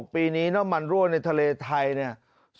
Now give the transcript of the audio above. ปีนี้น้ำมันรั่วในทะเลไทยเนี่ย